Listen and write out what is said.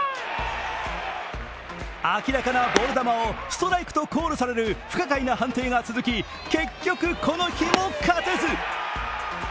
明らかなボール球をストライクとコールされる不可解な判定が続き結局この日も勝てず。